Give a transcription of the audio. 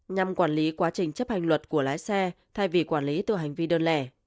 nhằm quản lý quá trình chấp hành luật của lái xe thay vì quản lý từ hành vi đơn lẻ